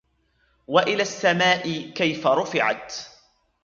وإلى السماء كيف رفعت